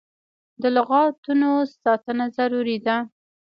د لغتانو ساتنه ضروري ده.